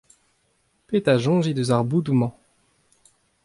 Petra a soñjit eus ar botoù-mañ ?